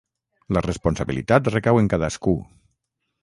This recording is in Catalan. La responsabilitat recau en cadascú.